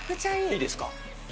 いいですか。